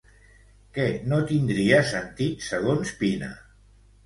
Què no tindria sentit segons Pina?